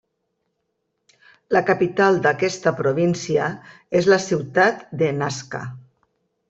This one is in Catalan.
La capital d'aquesta província és la ciutat de Nazca.